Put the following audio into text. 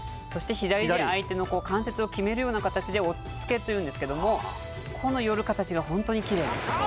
そして、左で相手の関節を決めるような形で、おっつけっていうんですけど、この寄る形が本当にきれいです。